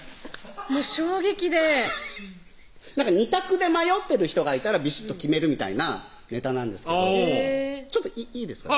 もう衝撃で二択で迷ってる人がいたらビシッと決めるみたいなネタなんですけどちょっといいですか？